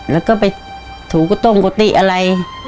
แล้วก็ไปถูกระต้มกุฏิอะไร